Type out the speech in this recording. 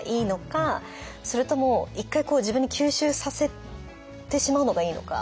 それとも一回自分に吸収させてしまうのがいいのか。